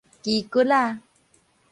枝骨仔